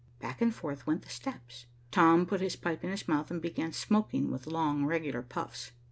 Back and forth went the steps. Tom put his pipe in his mouth and began smoking with long regular puffs.